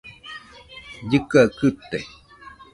Llɨkɨaɨ kɨte.